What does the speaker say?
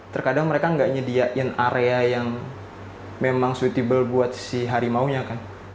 terkadang mereka nggak nyediain area yang memang suitable buat si harimaunya kan